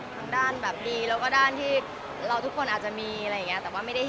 ทั้งด้านดีแล้วก็ด้านที่ทุกคนอาจจะมี